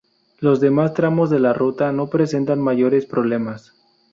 Los demás tramos de la ruta no presentan mayores problemas.